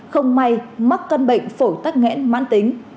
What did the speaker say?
không may mắc căn bệnh phổi tắc nghẽn mãn tính